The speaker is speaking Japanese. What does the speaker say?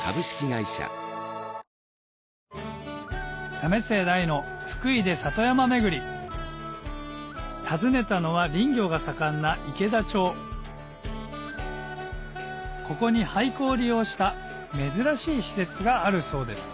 為末大の福井で里山めぐり訪ねたのは林業が盛んな池田町ここに廃校を利用した珍しい施設があるそうです